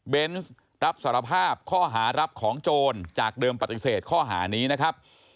รับสารภาพข้อหารับของโจรจากเดิมปฏิเสธข้อหานี้นะครับ